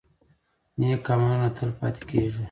نیک عملونه تل پاتې کیږي.